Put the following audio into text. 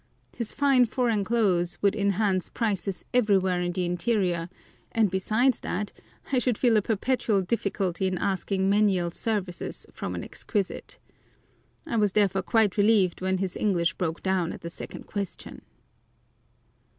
His fine foreign clothes would enhance prices everywhere in the interior, and besides that, I should feel a perpetual difficulty in asking menial services from an exquisite. I was therefore quite relieved when his English broke down at the second question.